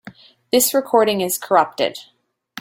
This recording is corrupted.